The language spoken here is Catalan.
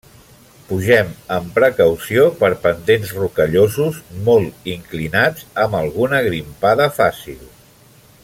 Pugem amb precaució per pendents rocallosos molt inclinats amb alguna grimpada fàcil.